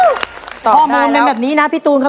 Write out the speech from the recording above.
แล้ววันนี้ผมมีสิ่งหนึ่งนะครับเป็นตัวแทนกำลังใจจากผมเล็กน้อยครับ